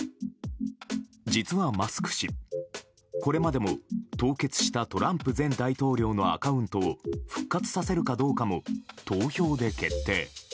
実はマスク氏、これまでも凍結したトランプ前大統領のアカウントを復活させるかどうかも投票で決定。